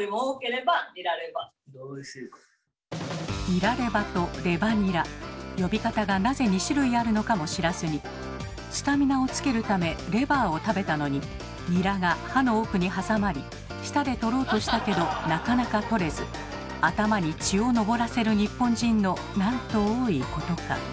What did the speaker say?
「ニラレバ」と「レバニラ」呼び方がなぜ２種類あるのかも知らずにスタミナをつけるためレバーを食べたのにニラが歯の奥に挟まり舌で取ろうとしたけどなかなか取れず頭に血を上らせる日本人のなんと多いことか。